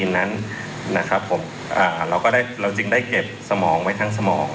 นั้นนะครับผมเราก็ได้เราจึงได้เก็บสมองไว้ทั้งสมอง